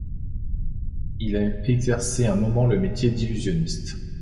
Il a exercé un moment le métier d'illusionniste.